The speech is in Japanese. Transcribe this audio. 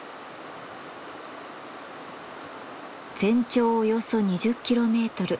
全長およそ２０キロメートル。